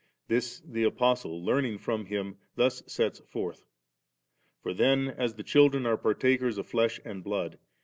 This the Apostle learning from Him, thus sets forth, ' Forasmuch then as the children jare partakers of flesh and blood.